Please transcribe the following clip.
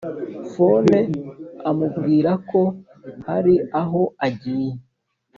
phone amubwira ko hari aho agiye